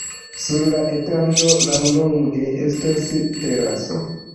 Sur la etaĝo laŭlonge estas teraso.